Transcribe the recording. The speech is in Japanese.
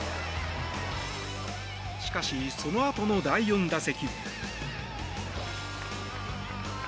しかし、そのあとの第４打席。